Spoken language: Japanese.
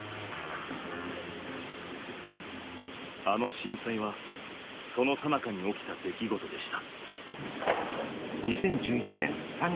あの震災はそのさなかに起きた出来事でした。